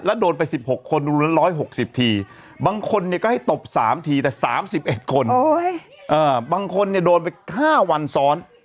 แล้วโดนไป๑๖คนรวม๑๖๐ทีบางคนก็ให้ตบ๓ทีแต่๓๑คนบางคนเนี่ยโดนไป๕วันซ้อน